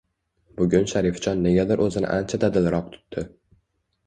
Bugun Sharifjon negadir oʻzini ancha dadilroq tutdi.